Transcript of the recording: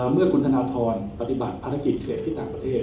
เมื่อคุณธนทรปฏิบัติภารกิจเสร็จที่ต่างประเทศ